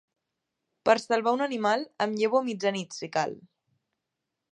Per salvar un animal, em llevo a mitjanit, si cal!